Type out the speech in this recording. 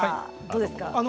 どうですか。